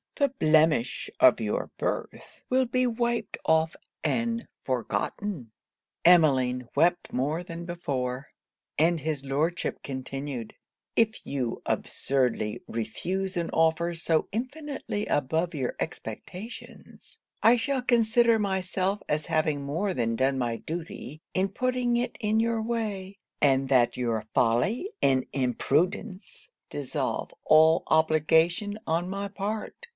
The blemish of your birth will be wiped off and forgotten.' Emmeline wept more than before. And his Lordship continued, 'If you absurdly refuse an offer so infinitely above your expectations, I shall consider myself as having more than done my duty in putting it in your way; and that your folly and imprudence dissolve all obligation on my part.